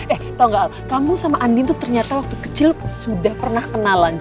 eh tau gak kamu sama andin tuh ternyata waktu kecil sudah pernah kenalan